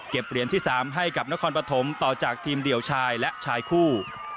เหรียญที่๓ให้กับนครปฐมต่อจากทีมเดี่ยวชายและชายคู่